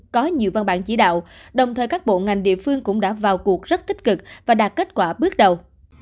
có nhiều văn bản chỉ đạo đồng thời các bộ ngành địa phương cũng đã vào cuộc rất tích cực và đạt kết quả bước đầu